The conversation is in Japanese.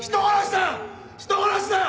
人殺しだよ！